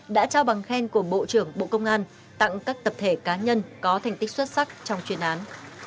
đã trao bằng khen của bộ trưởng bộ công an tặng các tập thể cá nhân có thành tích xuất sắc trong chuyên án